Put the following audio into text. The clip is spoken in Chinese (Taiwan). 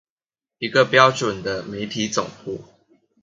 一個標準的媒體總部